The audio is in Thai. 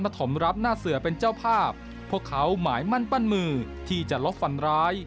ถมรับหน้าเสือเป็นเจ้าภาพพวกเขาหมายมั่นปั้นมือที่จะลบฟันร้าย